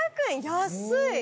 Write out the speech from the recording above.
安い！